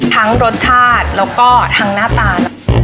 รสชาติแล้วก็ทั้งหน้าตา